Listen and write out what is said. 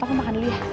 aku makan dulu ya